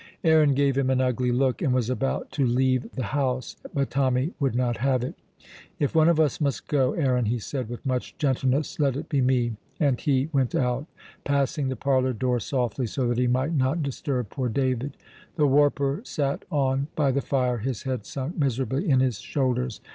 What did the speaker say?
Aaron gave him an ugly look, and was about to leave the house; but Tommy would not have it. "If one of us must go, Aaron," he said, with much gentleness, "let it be me"; and he went out, passing the parlour door softly, so that he might not disturb poor David. The warper sat on by the fire, his head sunk miserably in his shoulders.